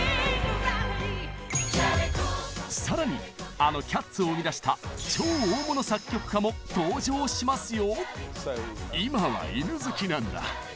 あの「キャッツ」を生み出した超大物作曲家も登場しますよ！